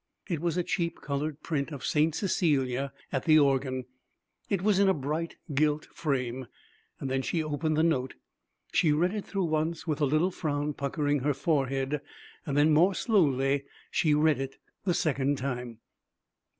It was a cheap colored print of St. Cecilia at the Organ. It was in a bright gilt frame. Then she opened the note. She read it through once, with a little frown puckering her forehead. Then, more slowly, she read it the second time.